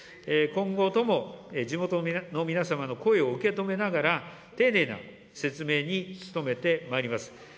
今後とも地元の皆様の声を受け止めながら、丁寧な説明に努めてまいります。